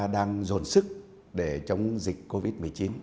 đang dồn sức để chống dịch covid một mươi chín